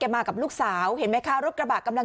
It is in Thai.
มันไม่ได้นะ